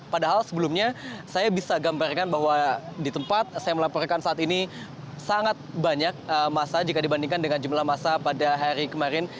padahal sebelumnya saya bisa gambarkan bahwa di tempat saya melaporkan saat ini sangat banyak masa jika dibandingkan dengan jumlah masa pada hari kemarin